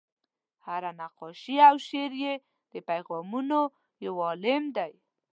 هره نقاشي او شعر یې د پیغامونو یو عالم دی.